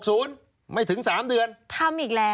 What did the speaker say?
หกศูนย์ไม่ถึง๓เดือนทำอีกแล้ว